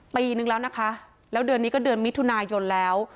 ปีนึงแล้วนะคะแล้วเดือนนี้ก็เดือนมิถุนายนแล้ว